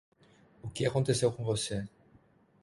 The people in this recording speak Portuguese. O que aconteceu com você